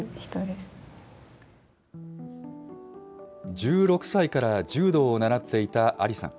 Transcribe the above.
１６歳から柔道を習っていたアリさん。